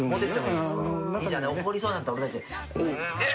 いいじゃない怒りそうになったら俺たちんっ！